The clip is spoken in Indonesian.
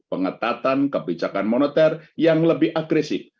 pengetatan kebijakan moneter yang lebih agresif